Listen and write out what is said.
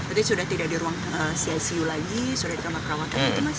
jadi sudah tidak di ruang cicu lagi sudah di rumah perawakan itu mas